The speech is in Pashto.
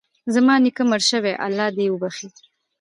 زما نیکه مړ شوی ده، الله ج د وبښي